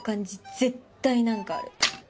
絶対なんかある。